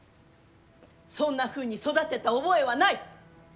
そんなふうに育てた覚えはない！